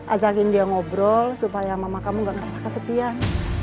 ajakin dia ngobrol supaya mama kamu gak ngerasa kesepian